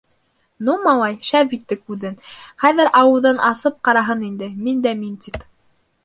— Ну, малай, шәп иттек үҙен. хәҙер ауыҙын асып ҡараһын инде, мин дә мин тип.